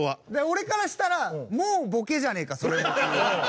俺からしたらもうボケじゃねえかそれもという。